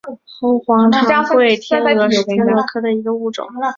后黄长喙天蛾是天蛾科的一个物种。